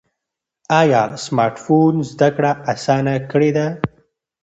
ایا سمارټ فون زده کړه اسانه کړې ده؟